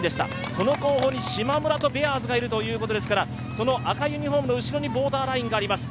その後方に、しまむらとベアーズがいるということですからその赤いユニフォームの後ろにボーダーラインがあります。